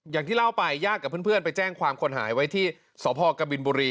อย่างที่เล่าไปญาติกับเพื่อนไปแจ้งความคนหายไว้ที่สพกบินบุรี